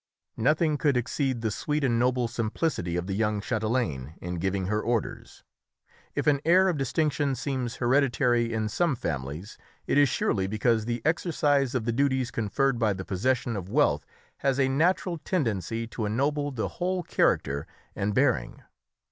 Nothing could exceed the sweet and noble simplicity of the young châtelaine in giving her orders. If an air of distinction seems hereditary in some families it is surely because the exercise of the duties conferred by the possession of wealth has a natural tendency to ennoble the whole character and bearing.